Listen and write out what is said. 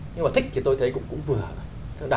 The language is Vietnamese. nhưng mà thích thì tôi thấy cũng vừa